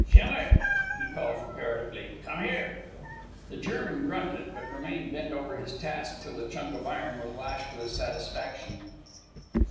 "Schemmer!" he called, imperatively. "Come here." The German grunted, but remained bent over his task till the chunk of iron was lashed to his satisfaction.